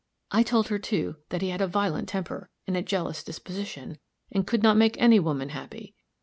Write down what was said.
I told her, too, that he had a violent temper, and a jealous disposition, and could not make any woman happy.